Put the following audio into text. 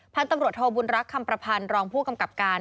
พันธุ์ตำรวจโทบุญรักษ์คำประพันธ์รองผู้กำกับการ